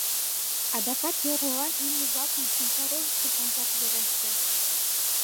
Адакат йорлылан имнян-влакын шинча рожыштым ончаш вереште.